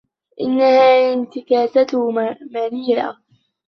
إنّها انتكاسة مريرة.